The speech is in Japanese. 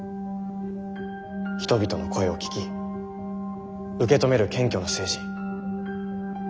人々の声を聞き受け止める謙虚な政治。